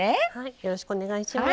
よろしくお願いします。